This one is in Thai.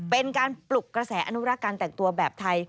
เป็นการปลุกกระแสอนุรักษ์การแต่งตัวแบบไทย